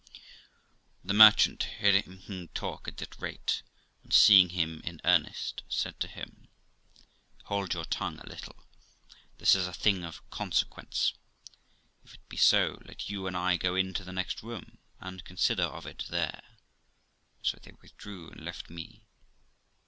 The merchant, hearing him talk at that rate, and seeing him in earnest, said to him, ' Hold your tongue a little ; this is a thing of consequence. If it be so, let you and I go into the next room, and consider of it there'; and so they withdrew, and left me.